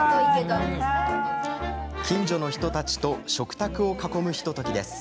近所の人たちと食卓を囲むひとときです。